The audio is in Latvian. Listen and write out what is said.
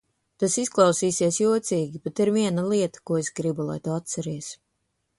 Tas izklausīsies jocīgi, bet ir viena lieta, ko es gribu, lai tu atceries.